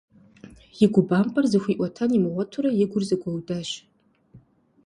И губампӏэр зыхуиӏуэтэн имыгъуэтурэ и гур зэгуэудащ.